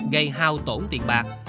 gây hao tổn tiền bạc